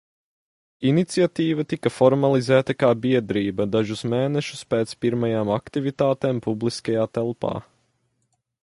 Iniciatīva tika formalizēta kā biedrība dažus mēnešus pēc pirmajām aktivitātēm publiskajā telpā.